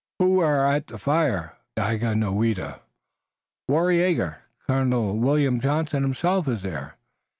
Who are at the fire, Daganoweda?" "Waraiyageh (Colonel William Johnson) himself is there.